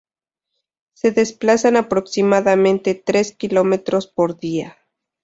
Se desplazan aproximadamente tres km por día.